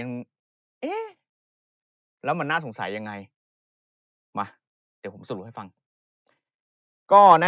เอ๊ะแล้วมันน่าสงสัยยังไงมาเดี๋ยวผมสรุปให้ฟังก็แน่